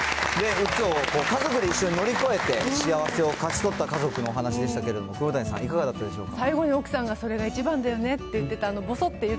うつを家族で一緒に乗り越えて、幸せを勝ち取った家族のお話でしたけど、黒谷さん、いかがでしたか。